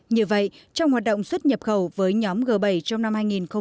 như vậy trong hoạt động xuất nhập khẩu với nhóm g bảy trong năm hai nghìn một mươi bảy